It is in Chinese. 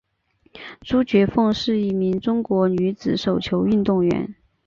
朱觉凤是一名中国女子手球运动员。